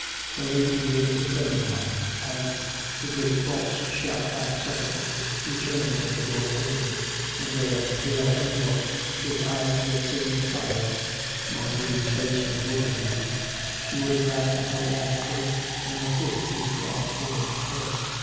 The lady here is a friend of mine; and " The great bolts shot back suddenly; he turned as the door opened ; and there, pale as milk, with eyes that seemed a fire, Marjorie's face was looking at him; she was wrapped in her long cloak and her hoOd was drawn over her head.